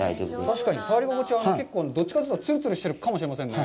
確かに、触り心地は、どっちかというと、ツルツルしているかもしれませんね。